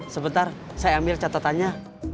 sebentar saya ambil catatannya